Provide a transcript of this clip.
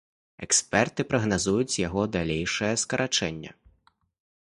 Эксперты прагназуюць яго далейшае скарачэнне.